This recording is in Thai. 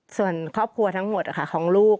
ส่วนครอบครัวทั้งหมดของลูก